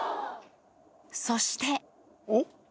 そして。